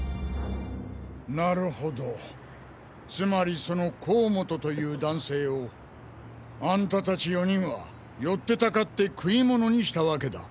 なるほどつまりその甲本という男性をアンタたち４人は寄ってたかって食い物にしたわけだ！